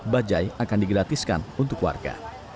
bajai akan digratiskan untuk warga